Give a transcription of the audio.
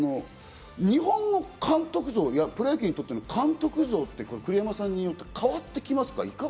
日本の監督像、プロ野球にとって監督像って栗山さんによって変わってきますか？